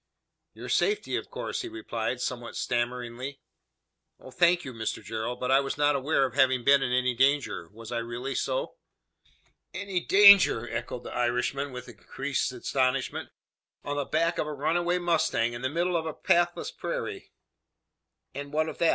"Your safety of course," he replied, somewhat stammeringly. "Oh, thank you, Mr Gerald; but I was not aware of having been in any danger. Was I really so?" "Any danger!" echoed the Irishman, with increased astonishment. "On the back of a runaway mustang in the middle of a pathless prairie!" "And what of that?